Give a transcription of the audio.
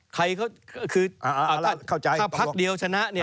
คืออ่าเข้าใจถ้าพักเดียวชนะ